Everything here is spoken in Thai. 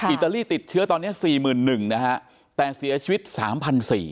อิตาลีติดเชื้อตอนนี้๔๑๐๐๐ศพแต่เสียชีวิต๓๔๐๐ศพ